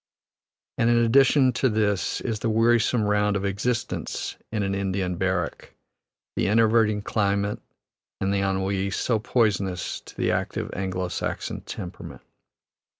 And in addition to this is the wearisome round of existence in an Indian barrack, the enervating climate and the ennui, so poisonous to the active Anglo Saxon temperament.